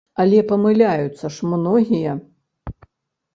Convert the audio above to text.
Але памыляюцца ж многія.